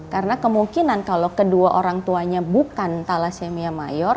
karena kemungkinan kalau kedua orang tuanya bukan thalassemia mayor